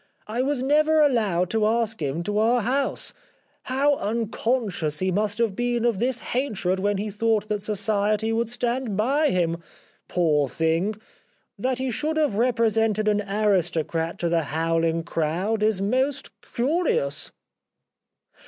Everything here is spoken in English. I was never allowed to ask him to our house. How unconscious he must have been of this hatred when he thought that society would stand by him. ... Poor i68 The Life of Oscar Wilde thing, that he should have represented an aristocrat to the howhng crowd is most curious."